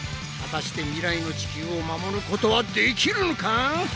果たして未来の地球を守ることはできるのか？